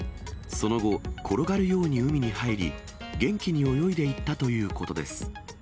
その後、転がるように海に入り、元気に泳いでいったということです。